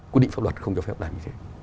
quy định pháp luật không cho phép làm như thế